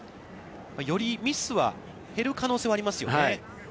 よりミスは減る可能性はありますよね。